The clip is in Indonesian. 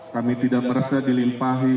kami tidak merasa dilimpahi